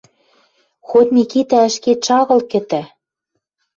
Хоть Микитӓ ӹшкетшӹ агыл кӹтӓ